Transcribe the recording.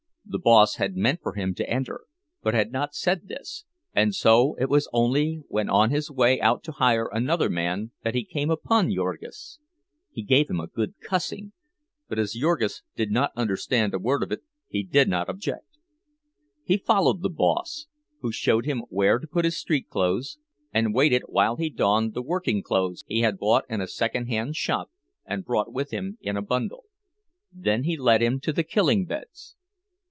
The boss had meant for him to enter, but had not said this, and so it was only when on his way out to hire another man that he came upon Jurgis. He gave him a good cursing, but as Jurgis did not understand a word of it he did not object. He followed the boss, who showed him where to put his street clothes, and waited while he donned the working clothes he had bought in a secondhand shop and brought with him in a bundle; then he led him to the "killing beds."